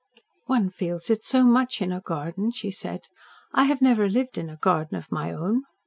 "One feels it so much in a garden," she said. "I have never lived in a garden of my own.